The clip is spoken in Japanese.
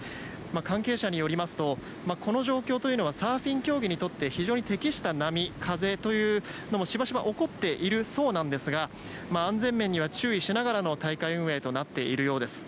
関係者によりますとこの状況というのはサーフィン競技にとって非常に適した波、風もしばしば起こっているそうなんですが安全面には注意しながらの大会運営となっているようです。